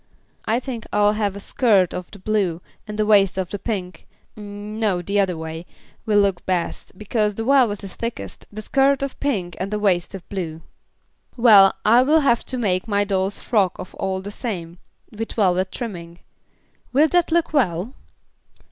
"I think I'll have a skirt of the blue and a waist of the pink. No, the other way, will look best, because the velvet is thickest, the skirt of pink and the waist of blue." "Well, I will have to make my doll's frock of all the same, with velvet trimming. Will that look well?"